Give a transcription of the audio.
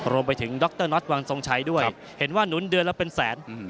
รวมไปถึงวางทรงชัยด้วยเห็นว่านุ้นเดือนแล้วเป็นแสนอืม